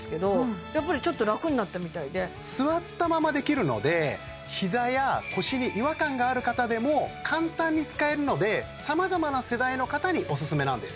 座ったままできるので膝や腰に違和感がある方でも簡単に使えるので様々な世代の方におすすめなんです